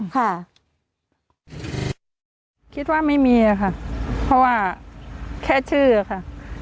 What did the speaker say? คิดว่าไม่มีค่ะเพราะว่าแค่ชื่ออะค่ะ